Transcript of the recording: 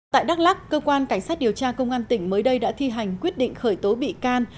tại đắk lắc cơ quan cảnh sát điều tra công an tỉnh mới đây đã thi hành quyết định khởi tố bị can